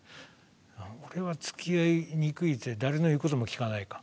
「俺はつきあいにくいぜ誰の言うことも聞かない」か。